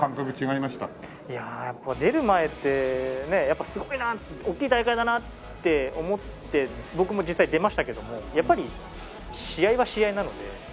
いやあやっぱ出る前ってすごいなおっきい大会だなって思って僕も実際出ましたけどもやっぱり試合は試合なのでそんなに変わらないというか。